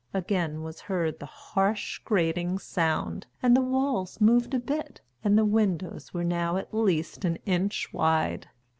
Again was heard the harsh, grating sound, and the walls moved a bit, and the windows were now at least an inch wide.